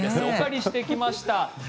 お借りしてきました。